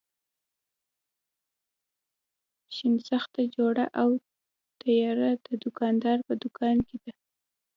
شنخته جوړه او تیاره د دوکاندار په دوکان کې ده.